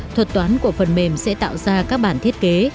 thuật toán của phần mềm sẽ tạo ra các bản thiết kế